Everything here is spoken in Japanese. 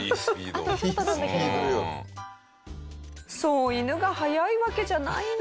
そう犬が速いわけじゃないんですが。